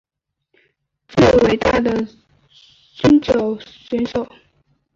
强森被视为史上最伟大的摔角选手之一。